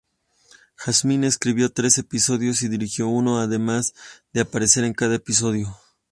Jasmine escribió tres episodios y dirigió uno, además de aparecer en cada episodio.